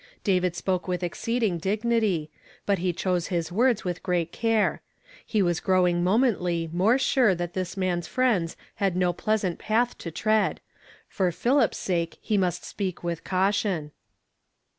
David spoke with exceeding dignity, but he chose his words with great care. He was growing momently more sure that this man's friends liiid no pleasant path to tread; for Philip's sake he must speak witli caution.